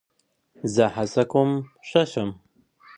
زه هڅه کوم ښه شم.